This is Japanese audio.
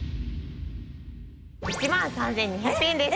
１万３２００円です。